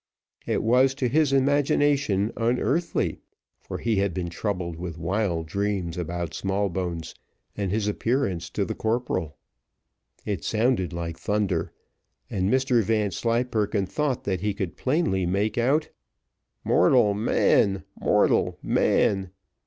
It was, to his imagination, unearthly, for he had been troubled with wild dreams about Smallbones, and his appearance to the corporal. It sounded like thunder, and Mr Vanslyperken thought that he could plainly make out, "_Mortal man! mortal man!